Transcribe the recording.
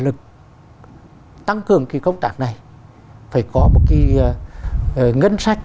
lực tăng cường cái công tác này phải có một cái ngân sách